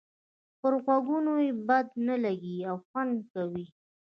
پر غوږونو یې بد نه لګيږي او خوند کوي.